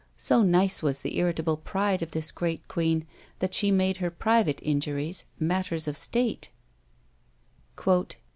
So nice was the irritable pride of this great queen, that she made her private injuries matters of state.